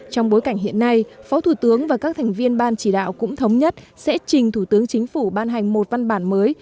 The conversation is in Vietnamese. trong bối cảnh hiện nay phó thủ tướng và các thành viên ban chỉ đạo cũng thống nhất sẽ trình thủ tướng chính phủ ban hành một văn bản mới